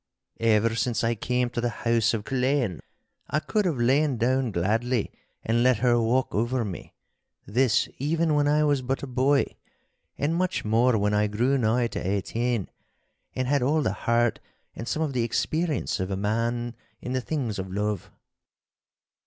Ever since I came to the house of Culzean, I could have lain down gladly and let her walk over me—this even when I was but a boy, and much more when I grew nigh to eighteen, and had all the heart and some of the experience of a man in the things of love.